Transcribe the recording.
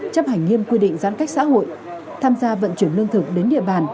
chấp hành nghiêm quy định giãn cách xã hội tham gia vận chuyển lương thực đến địa bàn